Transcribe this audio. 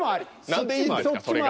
何でいいんですかそれが。